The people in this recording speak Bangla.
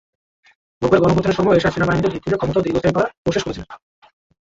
নব্বইয়ে গণ-অভ্যুত্থানের সময়ও এরশাদ সেনাবাহিনীতে ঢিল ছুড়ে ক্ষমতা আরও দীর্ঘস্থায়ী করার কোশেশ করেছিলেন।